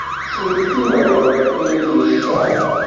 Tettmekkineḍ imi-k i ccer.